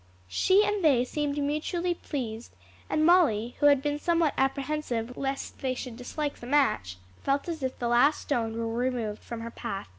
She and they seemed mutually pleased, and Molly, who had been somewhat apprehensive lest they should dislike the match, felt as if the last stone were removed from her path.